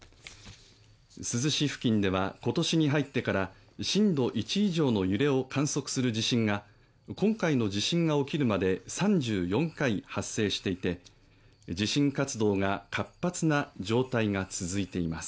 珠洲市付近では今年に入ってから震度１以上の揺れを観測する地震が今回の地震が起きるまで３４回発生していて、地震活動が活発な状態が続いています。